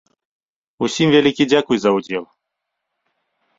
Усім вялікі дзякуй за ўдзел!